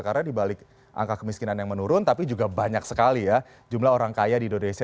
karena dibalik angka kemiskinan yang menurun tapi juga banyak sekali ya jumlah orang kaya di indonesia